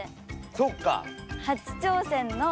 そっか。